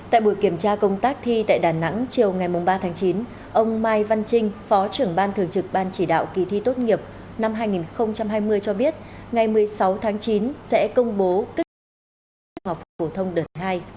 trong buổi kiểm tra công tác thi tại đà nẵng chiều ngày ba chín ông mai văn trinh phó trưởng ban thường trực ban chỉ đạo kỳ thi tốt nghiệp năm hai nghìn hai mươi cho biết ngày một mươi sáu chín sẽ công bố kết thúc trường học phổ thông đợt hai